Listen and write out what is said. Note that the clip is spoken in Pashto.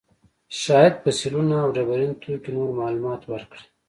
شاید فسیلونه او ډبرین توکي نور معلومات ورکړي.